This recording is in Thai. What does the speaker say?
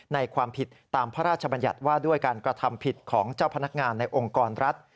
ความผิดตามพระราชบัญญัติว่าด้วยการกระทำผิดของเจ้าพนักงานในองค์กรรัฐ